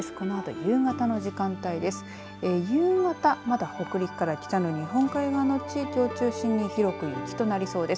夕方まだ北陸から北の日本海側の地域を中心に広く雪となりそうです。